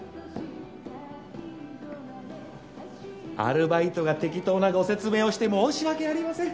アルバイトが適当なご説明をして申し訳ありません。